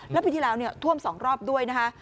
แล้วปีที่แล้วท่วม๒รอบด้วยนะคะ